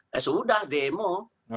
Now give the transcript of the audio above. ya sudah demo